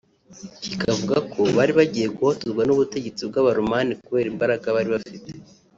kikavuga ko bari bagiye guhotorwa n’ubutegetsi bw’Abaromani kubera imbaraga bari bafite